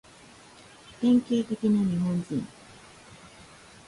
典型的な日本人